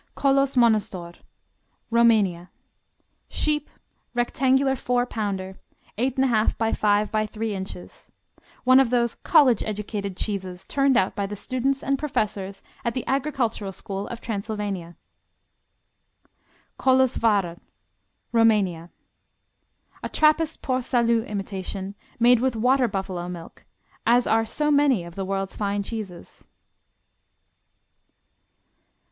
Kolos monostor Rumania Sheep; rectangular four pounder, 8 1/2 by five by three inches. One of those college educated cheeses turned out by the students and professors at the Agricultural School of Transylvania. Kolosvarer Rumania A Trappist Port Salut imitation made with water buffalo milk, as are so many of the world's fine cheeses.